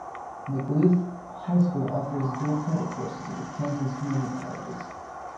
McLouth High School offers dual credit courses with Kansas community colleges.